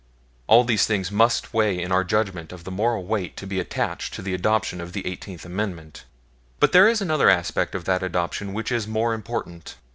All these things must weigh in our judgment of the moral weight to be attached to the adoption of the Eighteenth Amendment; but there is another aspect of that adoption which is more important.